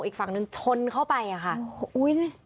มีคนเสียชีวิตคุณ